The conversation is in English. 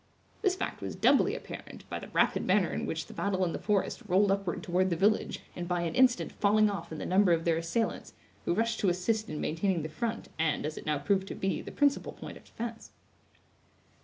This fact was doubly apparent, by the rapid manner in which the battle in the forest rolled upward toward the village, and by an instant falling off in the number of their assailants, who rushed to assist in maintaining the front, and, as it now proved to be, the principal point of defense.